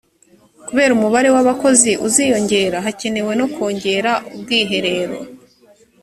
kubera umubare w abakozi uziyongera hakenewe no kongera ubwiherero